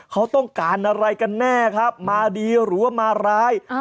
เขาต้องการอะไรกันแน่ครับมาดีหรือว่ามาร้าย